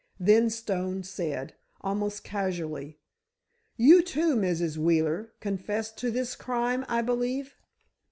Then Stone said, almost casually: "You, too, Mrs. Wheeler, confess to this crime, I believe."